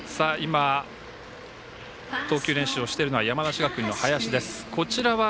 投球練習をしているのは山梨学院の林です。